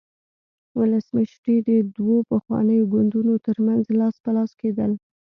ولسمشري د دوو پخوانیو ګوندونو ترمنځ لاس په لاس کېدل.